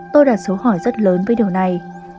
tôi đã xấu hỏi rất lớn với điều này